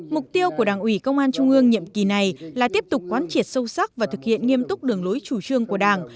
mục tiêu của đảng ủy công an trung ương nhiệm kỳ này là tiếp tục quán triệt sâu sắc và thực hiện nghiêm túc đường lối chủ trương của đảng